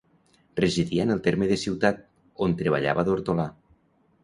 Residia en el terme de Ciutat, on treballava d'hortolà.